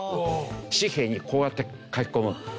紙幣にこうやって書き込む。